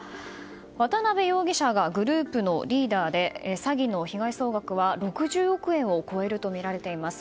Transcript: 渡辺容疑者がグループのリーダーで詐欺の被害総額は６０億円を超えるとみられています。